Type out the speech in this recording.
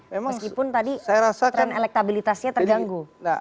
meskipun tadi tren elektabilitasnya terganggu